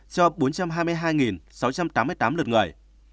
cho bốn trăm hai mươi hai sáu trăm tám mươi tám lượt người